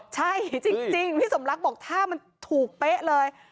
ใช่จริงพี่สมรักบอกถ้ามันถูกเป๊ะเลย